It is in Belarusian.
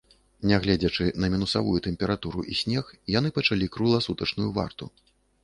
Нягледзячы на мінусавую тэмпературу і снег, яны пачалі кругласутачную варту.